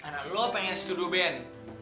karena lu pengen setuju ben